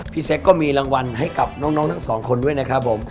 เซ็กก็มีรางวัลให้กับน้องทั้งสองคนด้วยนะครับผม